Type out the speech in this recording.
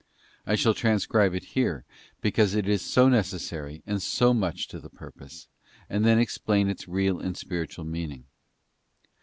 I shall transcribe it here, because it is so necessary and so much to the purpose, and then explain its real and spiritual meaning.